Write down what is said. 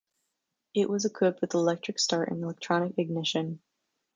It was equipped with electric start and electronic ignition.